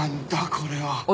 これは。